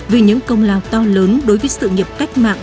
vì những công lao to lớn đối với sự nghiệp cách mạng